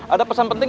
ada pesan penting